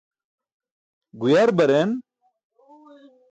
Guyar baren.